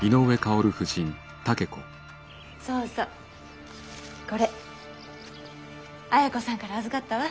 そうそうこれ綾子さんから預かったわ。